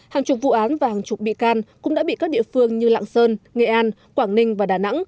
hàng chục vụ án và hàng chục bị can cũng đã bị các địa phương như lạng sơn nghệ an quảng ninh và đà nẵng